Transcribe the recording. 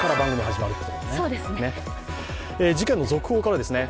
事件の続報からですね。